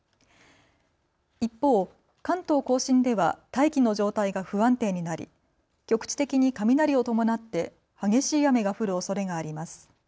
一方、関東甲信では大気の状態が不安定になり局地的に雷を伴って激しい雨が降るおそれがあります。